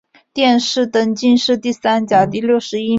殿试登进士第三甲第六十一名。